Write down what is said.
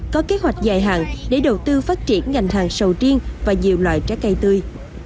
có kế hoạch dài hạn để đầu tư phát triển ngành hàng sầu riêng và nhiều loại trái cây tươi